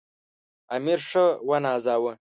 امیر ښه ونازاوه.